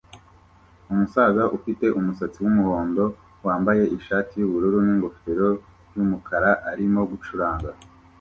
Umusaza ufite umusatsi wumuhondo wambaye ishati yubururu ningofero yumukara arimo gucuranga